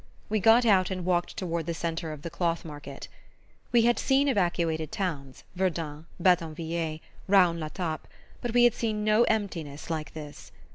We got out and walked toward the centre of the Cloth Market. We had seen evacuated towns Verdun, Badonviller, Raon l'Etape but we had seen no emptiness like this.